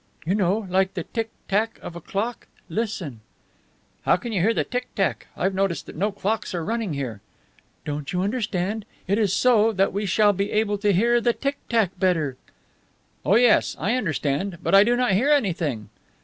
"You know like the tick tack of a clock. Listen." "How can you hear the tick tack? I've noticed that no clocks are running here." "Don't you understand? It is so that we shall be able to hear the tick tack better." "Oh, yes, I understand. But I do not hear anything."